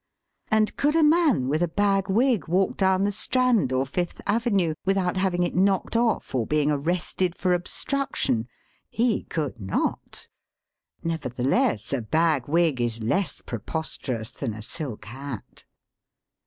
And could a man with a bag wig walk down the Strand or Fifth Avenue without having it knocked off or be ing arrested for obstruction? He could not, Nevertheless a bag wig is less preposterous than a silk hat.